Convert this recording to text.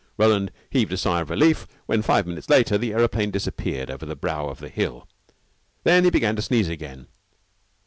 Roland heaved a sigh of relief when, five minutes later, the aeroplane disappeared over the brow of the hill. Then he began to sneeze again.